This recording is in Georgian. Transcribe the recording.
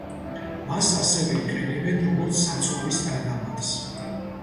მას ასევე იყენებენ როგორც საწვავის დანამატს.